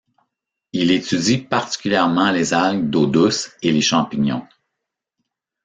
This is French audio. Il étudie particulièrement les algues d'eaux douces et les champignons.